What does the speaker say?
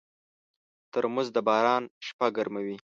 ترموز د باران شپه ګرموي.